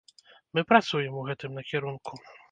Мы працуем у гэтым накірунку.